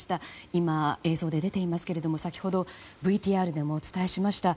今、映像で出ていますけれども先ほどＶＴＲでもお伝えしました